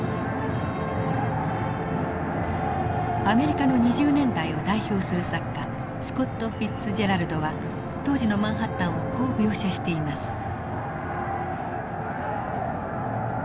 アメリカの２０年代を代表する作家スコット・フィッツジェラルドは当時のマンハッタンをこう描写しています。